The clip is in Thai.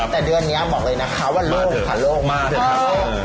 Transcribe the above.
แต่เดือนนี้บอกเลยนะคะว่าโล่งค่ะโล่งมากเลยครับ